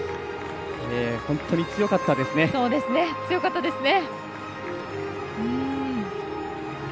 本当に強かったですね。